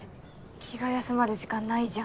気が休まる時間ないじゃん。